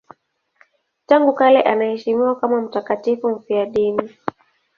Tangu kale anaheshimiwa kama mtakatifu mfiadini.